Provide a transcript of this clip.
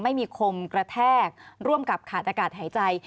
ไม่มีคมกระแทกร่วมกับขาดอากาศหายใจ